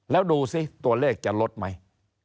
แล้วดูสิตัวเลขจะลดไหม